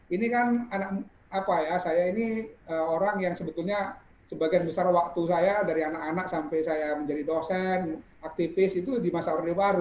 ini kan anak apa ya saya ini orang yang sebetulnya sebagian besar waktu saya dari anak anak sampai saya menjadi dosen aktivis itu di masa orde baru